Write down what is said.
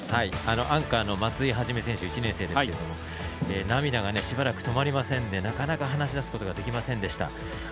アンカーの松井一選手１年生ですけども涙がしばらく止まりませんでなかなか話し出すことができませんでした。